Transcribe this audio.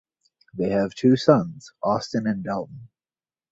They have two sons, Austin and Dalton.